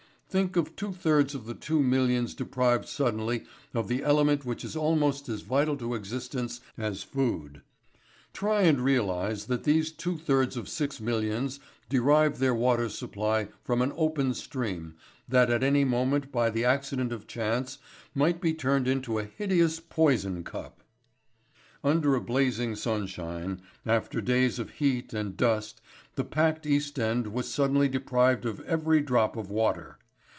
Think of two thirds of two millions deprived suddenly of the element which is almost as vital to existence as food. Try and realise that these two thirds of six millions derive their water supply from an open stream that at any moment by the accident of chance might be turned into a hideous poison cup. Under a blazing sunshine after days of heat and dust the packed East End was suddenly deprived of every drop of water.